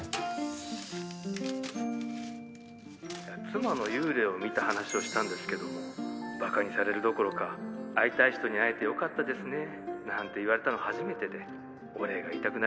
「妻の幽霊を見た話をしたんですけども馬鹿にされるどころか“会いたい人に会えてよかったですね”なんて言われたの初めてでお礼が言いたくなりましてね」